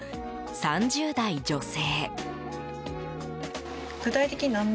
３０代女性。